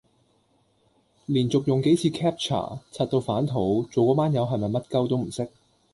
連續用幾次 captcha， 柒到反肚，做個班友係咪乜鳩都唔識